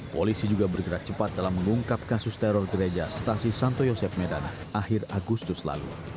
polisi juga bergerak cepat dalam mengungkap kasus teror gereja stasi santo yosef medan akhir agustus lalu